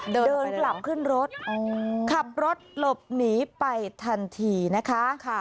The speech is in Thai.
เดินกลับขึ้นรถขับรถหลบหนีไปทันทีนะคะ